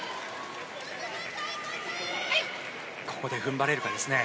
ここで踏ん張れるかですね。